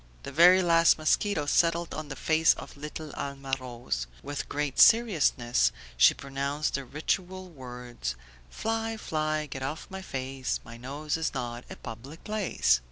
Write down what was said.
The very last mosquito settled on the face of little Alma Rose. With great seriousness she pronounced the ritual words "Fly, fly, get off my face, my nose is not a public place!"